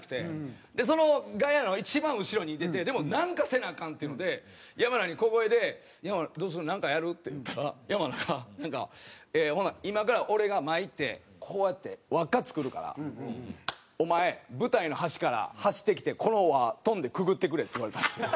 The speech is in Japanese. そのガヤの一番後ろにいててでもなんかせなアカンっていうので山名に小声で「山名どうする？なんかやる？」って言ったら山名がなんか「ほな今から俺が前行ってこうやって輪っか作るからお前舞台の端から走ってきてこの輪跳んでくぐってくれ」って言われたんですよ。